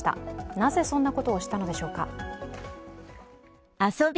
なぜそんなことをしたのでしょうか。